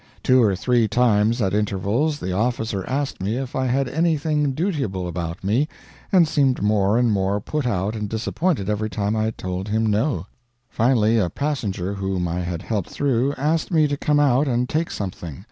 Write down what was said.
Two or three times, at intervals, the officer asked me if I had anything dutiable about me, and seemed more and more put out and disappointed every time I told him no. Finally a passenger whom I had helped through asked me to come out and take something.